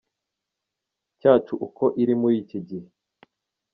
cyacu uko iri muri iki gihe.